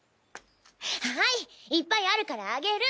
はいいっぱいあるからあげる。